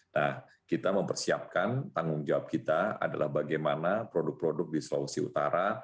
nah kita mempersiapkan tanggung jawab kita adalah bagaimana produk produk di sulawesi utara